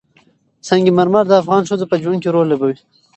سنگ مرمر د افغان ښځو په ژوند کې رول لري.